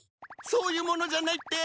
そういうものじゃないって！